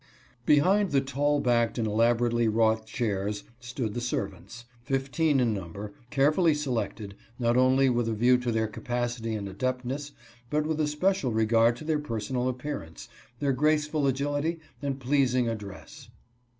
Behind the tall backed and elaborately wrought chairs stood the servants, fifteen in number, carefully selected, not only with a view to their capacity and adeptness, but with especial regard to their personal appearance, their graceful agility, and pleasing address.